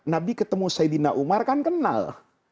nabi ketemu saidina umar kan kenal